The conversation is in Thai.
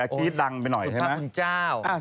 จี๊ดดังไปหน่อยใช่ไหม